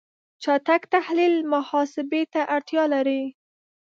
چټک تحلیل محاسبه ته اړتیا لري.